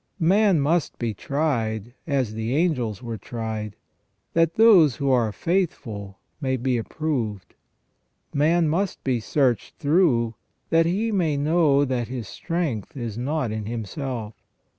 Man must be tried, as the angels were tried, that those who are faithful may be approved. Man must be searched through, that he may know that his strength is not in himself.